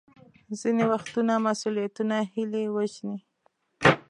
ځینې وختونه مسوولیتونه هیلې وژني.